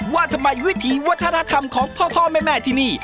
ว่าทำไมวิถีวัฒนธรรมของพ่อแม่ที่นี่